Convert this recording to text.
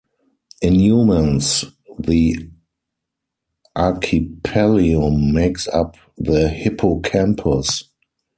In humans, the archipallium makes up the hippocampus.